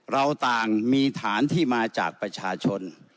เราต่างมีฐานที่มาจากประชาชน